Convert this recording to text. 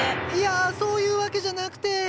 いやそういうわけじゃなくて。